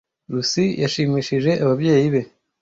Lucy yashimishije ababyeyi be.